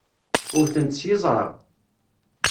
Wwten-tt s yiẓṛa.